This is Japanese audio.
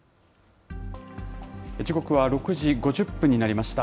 時刻は６時５０分になりました。